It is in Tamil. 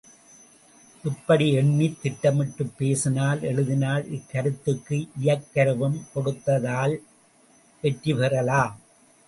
இப்படி எண்ணித் திட்டமிட்டுப் பேசினால், எழுதினால், இக்கருத்துக்கு இயக்கருவும் கொடுத்தால் வெற்றி பெறலாம்.